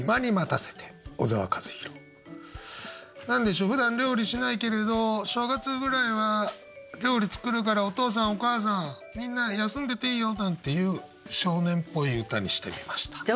何でしょうふだん料理しないけれど正月ぐらいは料理作るからお父さんお母さんみんな休んでていいよなんていう少年っぽい歌にしてみました。